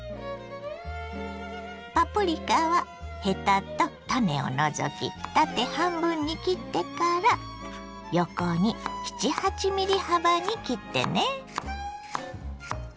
パプリカはヘタと種を除き縦半分に切ってから横に７８ｍｍ幅に切ってね。